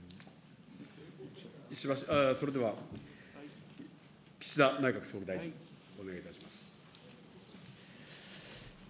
それでは岸田内閣総理大臣、お願いいたします。